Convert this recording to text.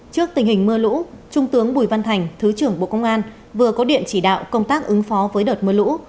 trước tình hình mưa lũ trung tướng bùi văn thành thứ trưởng bộ công an vừa có điện chỉ đạo công tác ứng phó với đợt mưa lũ